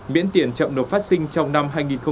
miễn tiện chậm nộp phát sinh trong năm